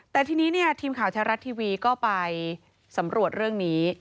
แต่ทีนี้เนี่ยทีมข่าวแท้รัฐทีวีก็ไปสำรวจเรื่องนี้